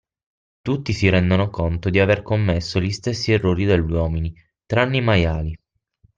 Tutti si rendono conto di aver commesso gli stessi errori degli uomini, tranne i maiali